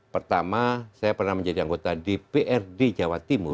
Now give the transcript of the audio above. pertama saya pernah menjadi anggota dprd jawa timur